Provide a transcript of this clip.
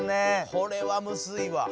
これはむずいわ。